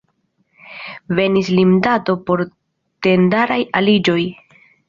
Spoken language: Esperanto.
Venis limdato por tendaraj aliĝoj.